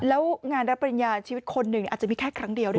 แล้วงานรับเปรยาชีวิตคนนะอาจจะมีแค่ครั้งเดียว